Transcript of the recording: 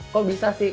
kok bisa sih